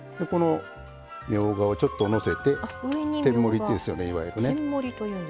みょうがをちょっとのせて天盛りですよね、いわゆるね。